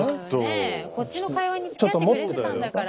ねえこっちの会話につきあってくれてたんだから。